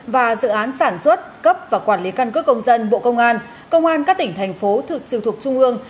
và dự án sản xuất cấp và quản lý căn cước công dân bộ công an công an các tỉnh thành phố thực sự thuộc trung ương